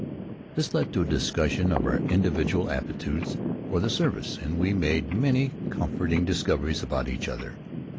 This led to a discussion of our individual aptitudes for the service, and we made many comforting discoveries about each other.